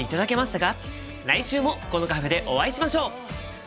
来週もこのカフェでお会いしましょう！